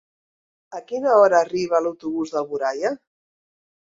A quina hora arriba l'autobús d'Alboraia?